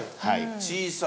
小さい。